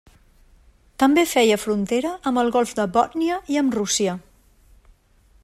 També feia frontera amb el golf de Bòtnia i amb Rússia.